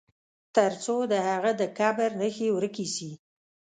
تر څو د هغه د قبر نښي ورکي سي.